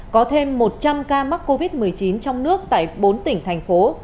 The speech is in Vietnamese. có thêm một trăm linh ca mắc covid một mươi chín trong nước tại bốn tỉnh thành phố